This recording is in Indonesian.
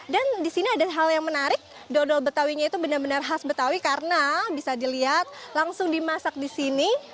dan di sini ada hal yang menarik dodo betawinya itu benar benar khas betawi karena bisa dilihat langsung dimasak di sini